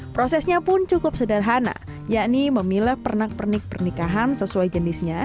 prosesnya pun cukup sederhana yakni memilah pernak pernik pernikahan sesuai jenisnya